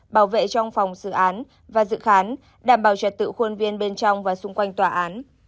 bảo vệ trong phòng dự án và dự khán đảm bảo trật tự khuôn viên bên trong và xung quanh tòa án